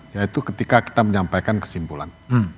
yaitu ketika kita menyampaikan kesimpulan